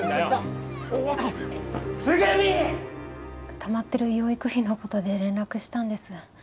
たまってる養育費のことで連絡したんです。